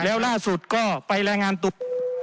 แล้วล่าสุดก็ไปรายงานตัว